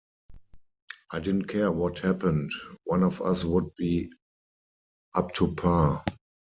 I didn't care what happened-one of us would be up to par.